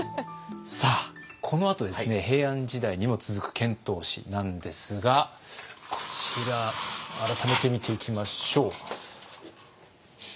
さあこのあと平安時代にも続く遣唐使なんですがこちら改めて見ていきましょう。